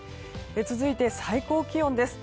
続いて、最高気温です。